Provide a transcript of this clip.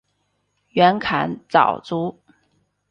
袁侃早卒。